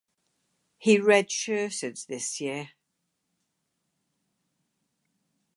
He redshirted this year.